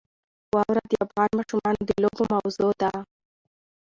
واوره د افغان ماشومانو د لوبو موضوع ده.